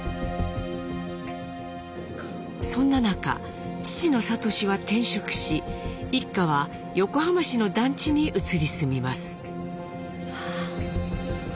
そんな中父の智は転職し一家は横浜市の団地に移り住みます。